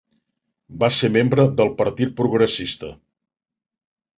Va ser membre del Partit Progressista.